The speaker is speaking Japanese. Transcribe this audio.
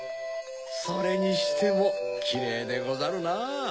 それにしてもキレイでござるな。